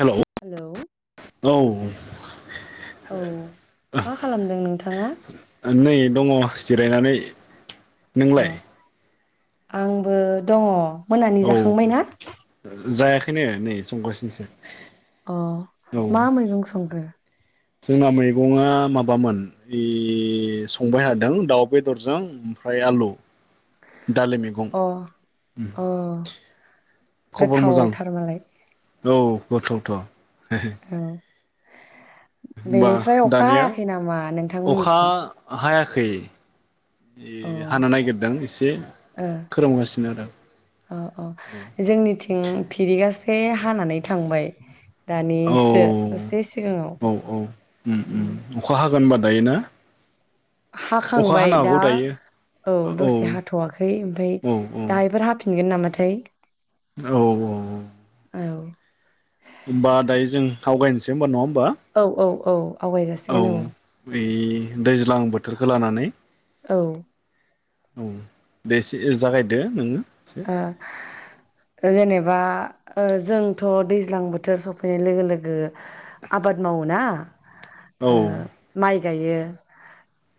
हेल' hello औ। औ मा खालामदों नोंथाङा नै दङ जिरायनानै। अ नोंलाय? आंबो दङ मोनानि औ जाखांबाय ना? जायाखैनो नै संगासिनोसो। अ औ मा मैगं संखो? जोंना मैगंआ माबामोन अ संबाय थादों दाउ बेदरजों ओमफ्राय आलु। दालि मैगं अ ओ अ खबर मोजां गोथावथारमालाय औ।। गोथावथ' औ होमबा बेनिफ्राय अखा दानिया हायाखै नामा अखा नोंथांमोननिथिं हाया खै। अ ओ अ खोरोमगासिनो आरो अ जोंनिथिं फिरिगा से हानानै थांबाय। औ दानिसो दसे सिगाङाव। औ औ उम उम ओम अखा हागोन होनबा दायोना। हाखांबाय दा औ दसे हाथ'वाखै ओमफ्राय औ दायोफोर हाफिनगोन नामा। थै औ औ औ होमबा दायो जों आवगायनोसै होनबा नंङा औ औ औ आवगाय जाासिगोन औ। ओइ दैज्लां बोथोरखो लानानै औ औ बेसे जागायदो नोंङो ओ जेनेबा ओ जोंथ' दैज्लां बोथोर सफैनाय लोगो-लोगो आबाद मावो ना। औ ओ माइ माय गायो।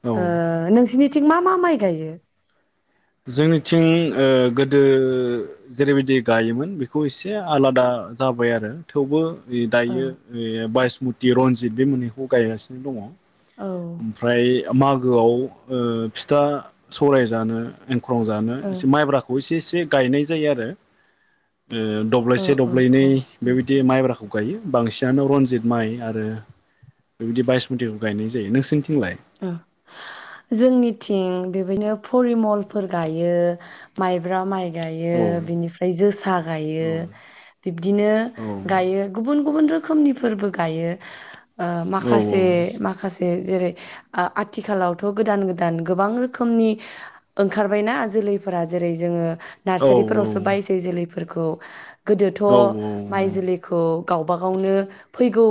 औ ओ नोंसिनि थिं मा मा माइ गायो? जोंनिथिं ओ गोदो जेरैबायदि गायोमोन बेखौ एसे आलादा जाबाय आरो थेवबो औ दायो ओ बायस मथि रनजित बे मोननैखौ गायगासिनो दंङ। औ ओमफ्राय मागोआव ओ फिथा सौवराइ जानो गाव जानो ओ एसे माइब्राखौ एसे बे गायनाय जायो आरो ओ औ दब्लायसे औ दब्लायनै औ बेबायदि माइब्राखौ गायो बांसिनानो रनजित माइ आरो बेबादि बाइसमुथिखौ गायनाय जा जायो नोंसोरनिथिं ओ जोंनिथिं बेबायदिनो फरिमलफोर गायो माइब्रा माइ गायो औ बिनिफ्राय जोसा गायो औ बिदिनो औ गायो गुबुन गुबुन रोखोमनि फोरबो गायो। ओ औ माखासे माखासे जेरै ओ आथिखालावथ गोदान गोदान गोबां रोखोमनि ओंखारबायना जोलैफोरा जेरै जोंङो औ नारचारिफोरावसो बायसै जोलैफो फोरखौ गोदोथ माइ जोलैखौ गावबा गावनो फैगौ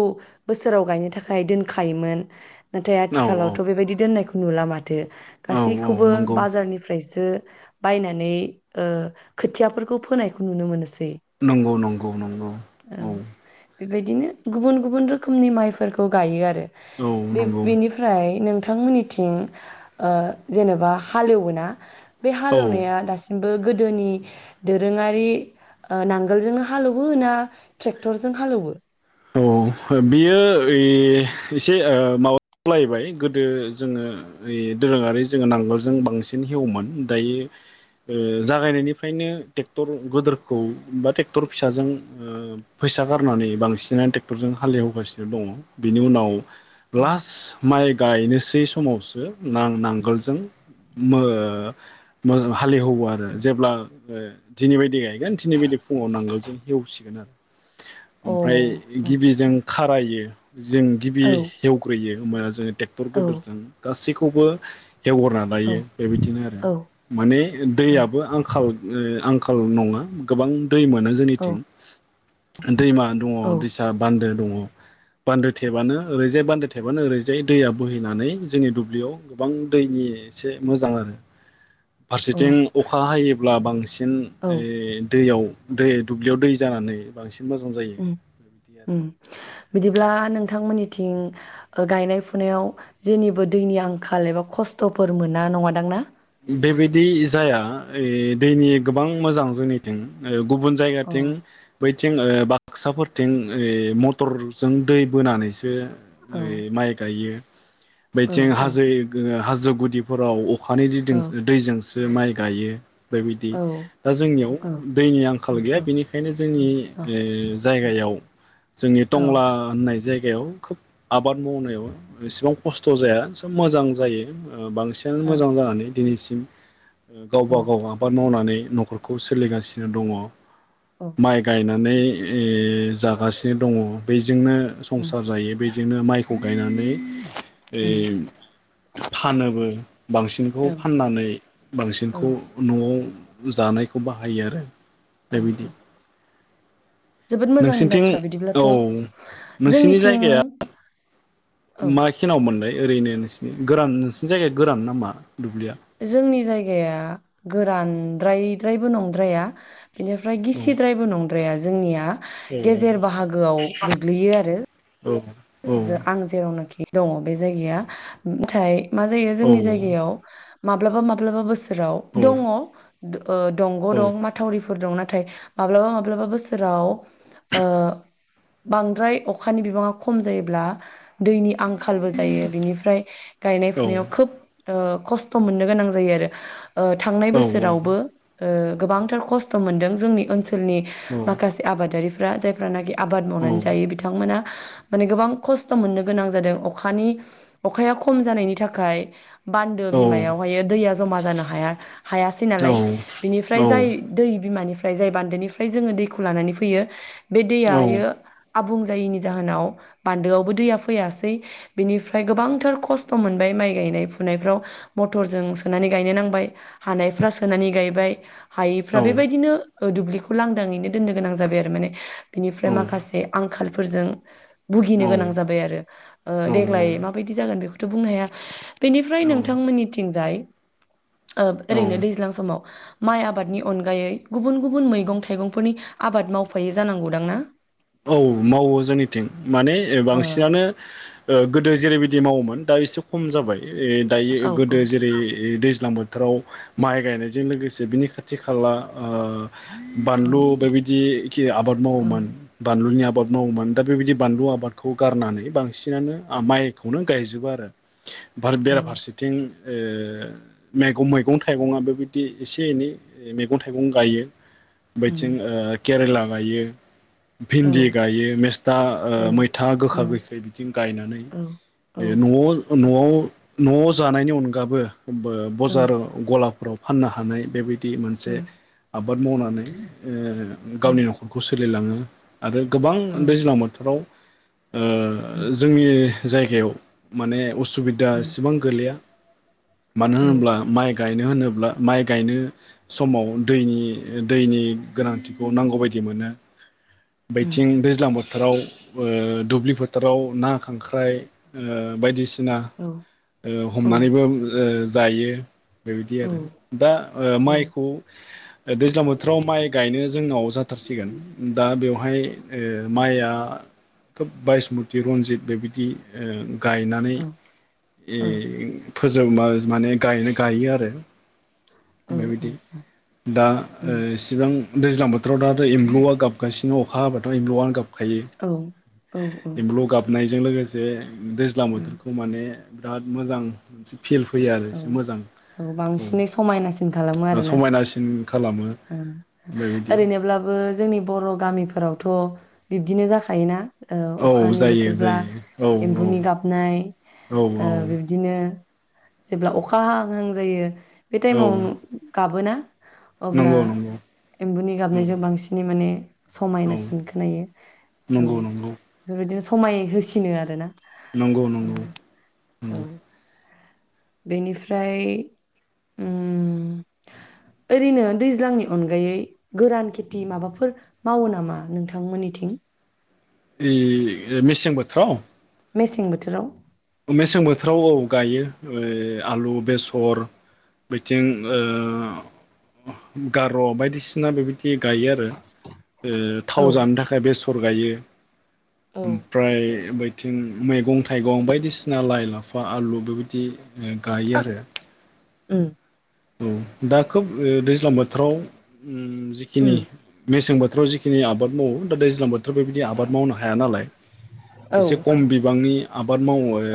बोसोराव गायनो थाखाय दोनखायोमोन। औ औ खालावथ' बेबायदि दोननायखौ नुला माथ थो औ औ गासैखौबो नंगौ बाजारनिफ्रायसो बायनानै ओ खोथियाफोरखौ फोनायखौ नुनो मोनोस नंगौ नंगौ नंगौ औ। बेबायदिनो गुबुन गुबुन रोखोमनि माइफोरखौ गायो आरो औ नंगौ। फाय नोंथांमोननिथिं ओ जेनेबा हालेवोना? बे औ औ हालोवनाया दासिम बो गोदोनि दोरोङारि ओ नांगोलजोंनो हालोवो ना ट्रेक्टरजों हालोवो? औ बियो ओइ एसे ओ माबालायबाय गोदो जोङो ओइ दोरोङारि जोङो नांगोलजों बांसिन हेवोमोन दायो ओ जागायनायनिफ्रायनो ट्रेक्टर गोदोरखौ बा ट्रेक्टर फिसाजों फैसा गारनानै बांसिन। नो टेक्टरजों हालेवगासिनो दङ बिनि उनाव लास माइ गायनोसै स समावसो नां-नांगोलजों मो मो हालेववो आरो जेब्ला ओ दिनै बदि गायगोन दिनै बायदि फुङाव नांगोलजों हेवसिगोन आरो। अ ओमफ्राय गिबि जों खारायो। जों गिबि औ हेवग्रोयो। होमबाना जोङो। ट्रेक्टर औ गोदोरजों गासैखौ। खौबो। हेवगोरना लायो औ बेबायदिनो आरो औ माने दैयाबो आंखाल ओ आं खाल नङा गोबां। दै मोनो औ जोंनिथिं दैमा दङ औ दैसा। बान्दो दङ बान्दो थेबानो ओरैजाय बान्दो थेबानो ओरैजाय दैया बोहैनानै जोंनि दुब्लियाव गोबां दैनि एसे मोजां आरो। औ फारसेथिं अखा हायो। अब्ला बांसिन। औ हिन ओ दैयाव। दै दुब्लियाव दै जानानै बांसिन। मोजां जायो। उम आरो उम। बिदिब्ला नोंथांमोननिथिं गायनाय फुनायाव जेनिबो दैनि आंखाल एबा खस्थ'फोर मोना नङादांना। बेबायदि जाया ओ दैनि गोबां मोजां जोंनिथिं। गुबुन औ जायगाथिं बै थिं बाक्साफोरथिं ओय मटरजों दै बोनानैसो औ ओय माइ गायो। औ बेथिं औ हाजो हाजो। गुदिफोराव अखानि। औ दैजों जो माइ गायो। बेबायदि औ दा जोंनियाव दैनि आंखाल औ गैया बेनिखायनो जोंनि औ ओ जायगायाव। जोंनि औ टंला होननाय जायगायाव खोब आबाद मावनायाव एसेबां खस्थ' जाया स मोजां जायो। ओ बांसिनानो औ मोजां जानानै। दिनैसिम गावबा औ गाव आबाद मावनानै न'खरखौ सोलिगासिनो दङ। औ माइ गायनानै ए जागासिनो दङ बै जोंनो उम संसार जायो बे जोंनो माइखौ गायनानै बे बे उम फानोबो बांसिनखौ औ नानै औ बांसिनखौ न न'आव जानायखौ बाहायो आरो। औ बेबायदि औ जोबोद मोजांनि नोंसिनिथिं बाथ्रा बिदिब्लाथ' औ नोंसिनि जोंनिथिं जायगाया औ माखिनाव मोनदाय ओरैनो नोंसिरनि गोरान नोंसिनि जायगाया गोरान नामा? दुब्लिया जोंनि जाय जायग गोरानद्रायद्रायबो नंद्राया बिनिफ्राय औ गिसिद्रायबो नंद्राया जोंनिया औ गेजेर बाहागोआव गोग्लैयो आरो। आं जेरावनोखि दङ बे जायगाया अन्थाय मा जायो औ जोंनि जायगायाव माब्लाबा माब्लाबो दङ दंग' औ दं माथावरिफोर दं नाथाय नाथाय माब्लाबा माब्लाबा बोसोराव ओ बांद्राय अखानि बिबाङा खम जायोब्ला दैनि आं आंखालबो जायो बिनिफ्राय गायनाय फुनायाव खोब खस्थ' मोननो गोनां जायो आरो। थांनाय औ औ बोसोरावबो गोबांथार खस्थ' मोनदों जोंनि ओनसोलाव ओनसोलनि औ माखासे आबादारि फोरा जायफोर ना गैया आबाद मावनानै जायो बिथांमोना। माने गोबां खस्थ' मोननो गोनां जादों अखानि अखाया खम जानायनि थाखाय बान्दो बिमायावहाय दैया जमा जानो हाया हायासै नालाय बिनिफ्राय जाय दै बिमानिफ्राय ओमफ्राय जाय बान्दोनिफ्राय जोङो दैखौ लानानै फैयो बे दैयाहायो आबुं जायैनि जाहोनाव बान्दोआवबो दैया फैयासै बिनिफ्राय गोबांथार खस्थ' मोनबाय माइ गायनाय फुनायफ्राव मथरजों सोनानै गायनो नांबाय हानायफ्रा सोनानै गायबाय हायैफ्रा बेबायदिनो ओ दुब्लिखौ लांदाङैनो दोननो गोनां जाबाय आरो माने बिनिफ्राय माखासे आंखाल फोरजों भुगिनो गोनां जाबाय आरो ओ देग्लाय माबायदि जागोन बेखौथ' बुंनो हाया बेनिफ्राय नोंथांमोननिथिंजाय ओ ओरैनो दैज्लां समाव माइ आब आबादनि अनगायै गुबुन गुबुन मैगं थाइगंफोरनि आबाद मावफायै जानांगौदां ना औ मावो जोंनि थिं माने ओ बांसिनानो ओ गोदो जेरैबायदि मावोमोन दा एसे खम जाबाय दायो औ औ गोदो जेरै दै ज्लां बोथोराव माइ गायनायजों लोगोसे बिनि खाथि खाला ओ औ बानलु बेबायदि खि आबाद औ मावोमोन बानलुनि आबाद मावोमोन दा बेबायदि बानलु आबादखौ गारनानै बांसिनानो माइखौनो गायजोबो आरो आरो औ बेराफारसेथिं ओ मैगं मैगं थाइगंआबो बेबायदि एसे एनै मैगं थाइगं गायो। उम बैथिं ओ केरेला गायो औ भिन्दि गायो मेस्था औ मैथा औ गोखा गोखै बिदि गायनानै औ औ न'आव न'आव न'आव जानायनि अनगाबो ओ बजार गलाफ्राव फाननो हानाय बेबाय मोनसे आ बाद मावनानै ओ गावनि नखरखौ सो सोलिलाङो आरो गोबां दैज्लां बोथोराव उम ओ जोंनि जायगायाव माने अस सुबिदा उम एसेबां गोलैया मानो औ होनोब्ला माइ गायनो होनोब्ला माइ गायनो समाव दैनि दैनि गोनांथिखौ नांगौबायायदि मोनो उम बैथिं दैज्लांबो फोथाराव दुब्लि फोथाराव ना खांख्राइ ओ बायदिसिना ना औ ओ औ हमनानैबो ओ जायो बेबायदि औ आरो दा औ माइखौ दैज्लां बोथोराव माइ गायनो जोंनाव जाथारसिगोन दा बेवाय बहाय माइआ खोब बायसमुति रनजित बेबायदि गायनानै औ ओ फोजोबनो माने गायनो गायो आरो औ बेबायदि दा ओ उम इसेबां दैज्लां बोथोराव दा एम्लुआ गाबगासिनो अखा हाबाथाय एमबुआनो गाब खायो औ औ उम एमबुलु गाब होननायजों लोगोसे दैज्लां बोथोरखौ माने बिराद मोजां मोनसे फिल फैयो आरो औ एसे मोजां औ बांसिनै समायनासिन खालामो औ आरोना समायनासिन खालामो औ बेबायदि ओरैनोब्लाबो जोंनि बर' गामिफोराव थ बिब्दिनो जाखायोना ओ औ अखानि जायो बोथोरब्ला जायो औ एम्बुनि गाबनाय औ ओ औ बिबदिनो जेब्ला अखा हाहां हाहां जायो बे औ टाइमाव गाबोना? अब्ला नंगौ नंगौ एम्बुनि औ गाबनायजों बांसिनै माने औ समायनासिन खोनायो औ नंगौ नंगौ जोंदि स समाय होसिनो आरोना नंगौ उम नंगौ नंगौ औ बेनिफ्राय ओरैनो दैज्लांनि अनगायै गोरान खेथि माबाफोर मावो नामा नोंथांमोननिथिं ए मिसें बोथोराव? मेसें बोथोराव मेसें बोथोराव औ गायो ओ आलु बेसर बिथिं गार' बायदिसिना बेबायदि ए गायो आरो थाव औ जानो थाखाय बे सर गायो औ ओमफ्राय थिं मैगं थाइगं बाय- दिसिना लाइ लाफा आलु बेबायदि गायो आरो उम औ दा खोब दैज्लां बोथोराव उम जिखिनि मेसें बो- थाराव जिखि आबाद मावो दा दैज्लां थ बेबायदि आबाद मावनो हाया नालाय औ एसे खम बिबांनि बाद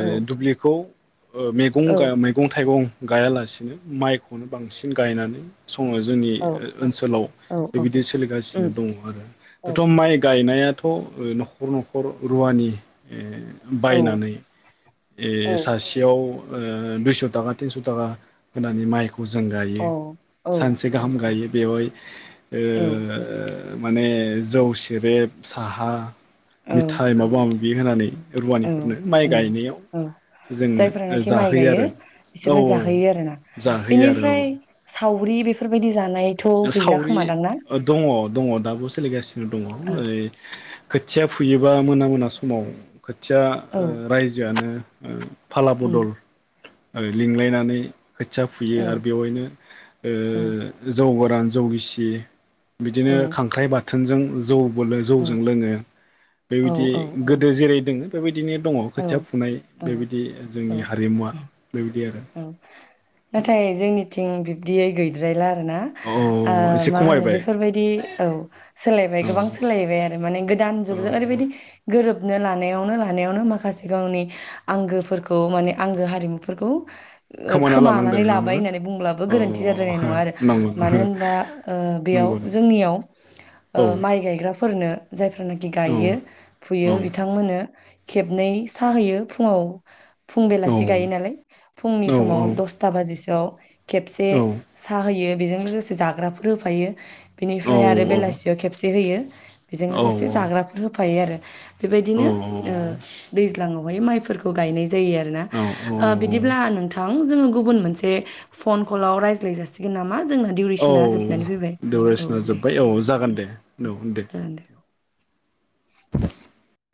औ दुब्लिखौ ओ मेगं औ मैगं थाइगं गायालासिनो माइ खौनो बांसिन गायनानै सङो जोंनि औ ओनसोलाव औ औ बेबायदि सोलिगासिनो उम दं आरो औ दाथ माइ गायनाया दाथ नखर नखर रुवानि औ बायनानै अ ओ सासेयाव दुइस थाखा थिनस थाखा होनानै माइ फजों औ गायो सानसे औ गाहाम औ गायो बेवहाय औ ओ माने जौ सेरेब साहा औ मिथाइ माबा बि होनानै औ रुवानिफोरनो माइ औ गायनायाव औ जों जायफोरानाखि माइ जाहोयो गायो आरो औ बिसोरनो औ जाहोयो आरोना जाहोयो आरो बेनिफ्राय सावरि बेफोरबायदि जानायथ' गैला सावरि खोमादांना दङ दङ दाबो सोलिगासिनो दङ ओ खोथिया फुयोबा मोना मोना समाव खोथिया ओ औ रायजोआनो औ फाला उम बदल आरो लिंलायनानै खोथिया फुयो औ आरो बेवायनो औ ओ जौ गोरान जौगिसि बिदिनो औ खांख्राइ बा बाथोनजों जौ बो जौजों लोङो औ बेबायदि औ गोदो जेरै दोङो बिदिनो दंङ खोथिया फुनाय औ बेबायदि औ जोंनि हारिमुवा औ बेबायदि आरो औ नाथाय जों मिथिं बिब्दियै गैद्रायला आरो ना औ ओ एसे मा होनो खमायबाय बेफोरबायदि औ सोलायबाय औ गोबां सोलायबाय आरो माने गोदान औ जुगजों ओरैबायदि गोरोब खोबनो लानायावनो लानायावनो माखासे गावनि आंगोफोरखौ माने आंगो हारिमुफोरखौ खोमाना लानांदों खोमानानै नामा लाबाय ना? होननानै बुंब्लाबो औ गोरोन्थि जाद्रायनाय नङा आरो नंगौ मानो होनबा ओ‌ बेयाव नंगौ जोंनियाव ओ औ माइ गायग्रा फोरनो जाय जेनाखि औ गायो फुयो बिथांमोननो खेबनै साहा होयो फुंङाव फुं औ बेलासे गायो नालाय फुंनि औ समाव दसथा बाजि [unintelligible] खेबसे औ सा हैयो बेजों लोगोसे जाग्राफोर होफायो बिनिफ्राय आरो बेलासियाव खेबसे जे होयो बेजों औ लोगोसे जाग्राफोर होफायो आरो औ बेबायदिनो ओ औ दैज्लाङाव बहायो माइफोरखौ गायनाय जायो आरोना औ ओ नोंथां जों गुबुन मोनसे फन कलाव रायज्लाय जासिगोन नामा? जोंना औ दिउरेसना जोबनानै फैबाय औ दिउरेसिना दे जोब्बाय औ जागोन दे औ दे [inaudible]